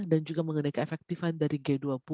dan juga mengenai keefektifan dari g dua puluh